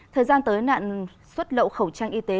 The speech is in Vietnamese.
thời gian tới nạn xuất lậu khẩu trang y tế